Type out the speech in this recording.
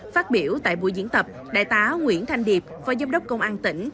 phát biểu tại buổi diễn tập đại tá nguyễn thanh điệp phó giám đốc công an tỉnh